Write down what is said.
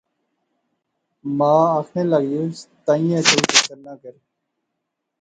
ما آخنے لاغیوس، تہئے تو فکر نہ کر